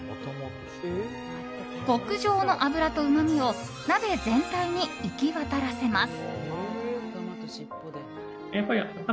極上の脂とうまみを鍋全体に行き渡らせます。